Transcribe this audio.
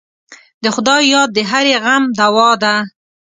د خدای یاد د هرې غم دوا ده.